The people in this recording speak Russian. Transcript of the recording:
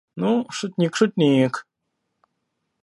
Ну, шутник, шутник...